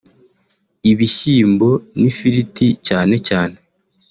ibishyimbo n’ifiriti cyane cyane